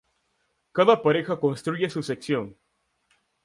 Cada pareja construye su sección.